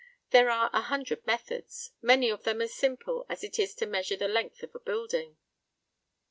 There are a hundred methods, many of them as simple as it is to measure the length of a building."